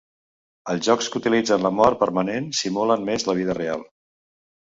Els jocs que utilitzen la mort permanent simulen més la vida real.